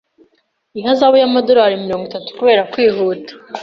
Ihazabu y'amadolari mirongo itatu kubera kwihuta.